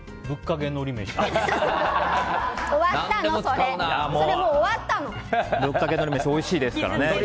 ぶっかけ海苔めしおいしいですからね。